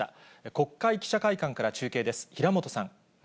国会記者会館から中継です、平本さん。